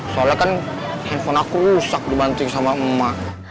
soalnya kan handphone aku rusak dibanting sama emak